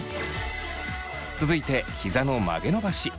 続いてひざの曲げ伸ばし。